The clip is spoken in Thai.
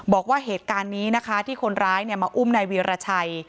บอกว่าเหตุการณ์นี้นะคะที่คนร้ายมาอุ้มนายวีรชัย